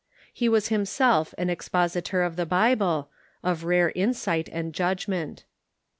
He was himself an expositor of the Bible, of rare insight and judgment.